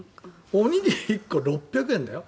おにぎり１個６００円だよ。